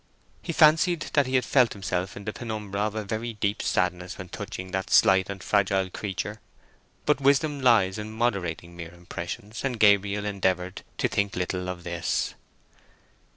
He fancied that he had felt himself in the penumbra of a very deep sadness when touching that slight and fragile creature. But wisdom lies in moderating mere impressions, and Gabriel endeavoured to think little of this.